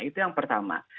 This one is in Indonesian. itu yang pertama